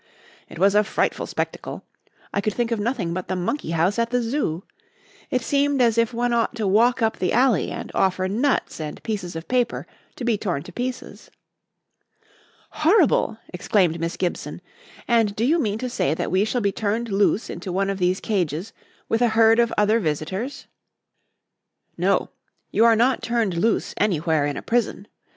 It was a frightful spectacle. I could think of nothing but the monkey house at the Zoo. It seemed as if one ought to walk up the alley and offer nuts and pieces of paper to be torn to pieces." "Horrible!" exclaimed Miss Gibson. "And do you mean to say that we shall be turned loose into one of these cages with a herd of other visitors?" "No. You are not turned loose anywhere in a prison.